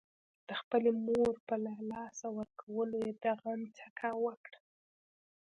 د خپلې مور په له لاسه ورکولو يې د غم څکه وکړه.